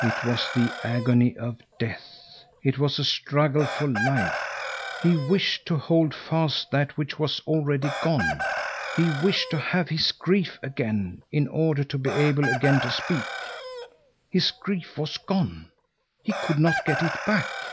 It was the agony of death; it was a struggle for life. He wished to hold fast that which was already gone. He wished to have his grief again in order to be able again to speak. His grief was gone; he could not get it back.